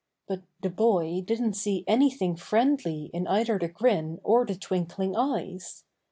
But the boy didn't see anything friendly in either the grin or the twinkling eyes.